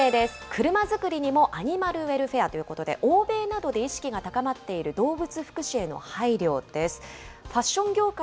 車づくりにもアニマルウェルフェアということで、欧米などで意識が高まっている動物福祉への配慮です。